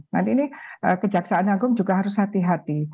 nah ini kejaksaan agung juga harus hati hati